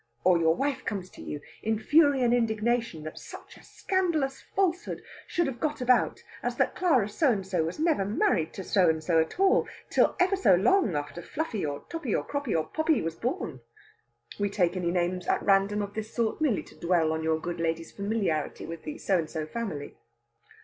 Or your wife comes to you in fury and indignation that such a scandalous falsehood should have got about as that Clara So and so was never married to So and so at all till ever so long after Fluffy or Toppy or Croppy or Poppy was born! We take any names at random of this sort, merely to dwell on your good lady's familiarity with the So and so family.